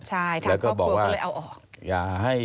ใช่ทางครอบครัวก็เลยเอาออกแล้วก็บอกว่าอย่าให้